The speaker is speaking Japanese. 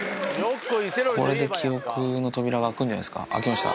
これで記憶の扉が開くんじゃないですか、開きました。